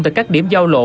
tại các điểm giao lộ